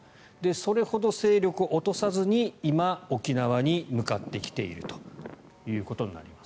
それほど勢力を落とさずに今、沖縄に向かってきているということになります。